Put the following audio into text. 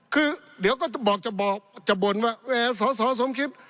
คือเดี๋ยวก็จะบอกจะบ่นว่าสอสอสมคิด